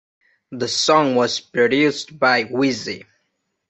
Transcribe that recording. The song was produced by Wheezy.